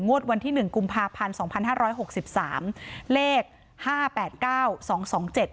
วันที่หนึ่งกุมภาพันธ์สองพันห้าร้อยหกสิบสามเลขห้าแปดเก้าสองสองเจ็ด